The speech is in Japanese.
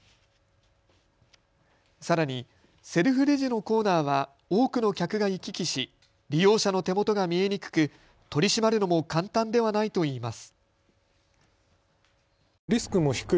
さらにセルフレジのコーナーは多くの客が行き来し、利用者の手元が見えにくく取り締まるのも簡単ではないといいます。